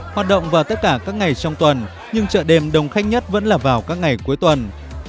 hoạt động vào tất cả các ngày trong tuần nhưng chợ đêm đông khách nhất vẫn là vào các ngày cuối tuần